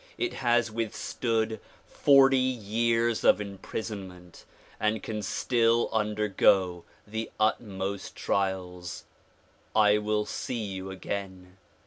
It has withstood forty years of imprisonment and can still undergo the utmost trials. I will see you again.